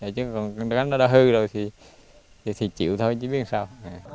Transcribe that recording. chứ còn cái đó hư rồi thì chịu thôi chứ biết sao